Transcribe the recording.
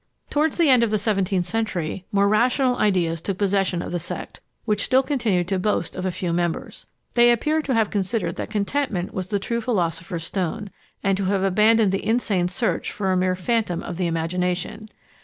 Towards the end of the seventeenth century, more rational ideas took possession of the sect, which still continued to boast of a few members. They appear to have considered that contentment was the true philosopher's stone, and to have abandoned the insane search for a mere phantom of the imagination.